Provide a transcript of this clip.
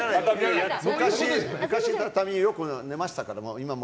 昔、畳によく寝ましたから。